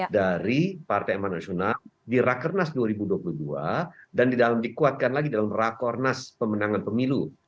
dari partai emanrasional di rakornas dua ribu dua puluh dua dan dikuatkan lagi dalam rakornas pemenangan pemilu